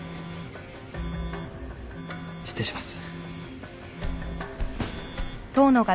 失礼します。